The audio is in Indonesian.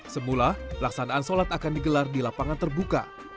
semula laksanaan solat akan digelar di lapangan terbuka